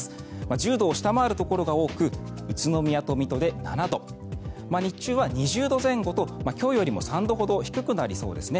１０度を下回るところが多く宇都宮と水戸で７度日中は２０度前後と今日よりも３度ほど低くなりそうですね。